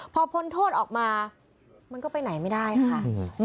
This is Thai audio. พอพ้นโทษออกมามันก็ไปไหนไม่ได้ค่ะ